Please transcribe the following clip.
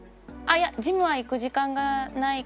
いやジムは行く時間がないから。